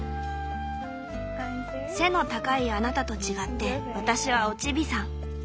「背の高いあなたと違って私はおチビさん。